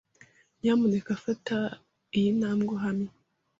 Nyamuneka fata iyi ntambwe uhamye.